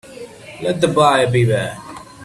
Let the buyer beware.